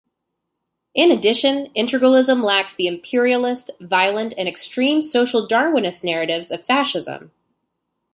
In addition, integralism lacks the imperialist, violent, and extreme social darwinist narratives of Fascism.